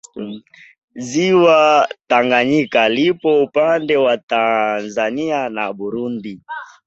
Ziwa Tanganyika lipo upande wa Tanzania na Burundi